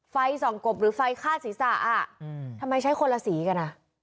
ไฟส่องกบหรือไฟฆ่าศีรษะอ่ะทำไมใช้คนละสีกันอ่ะ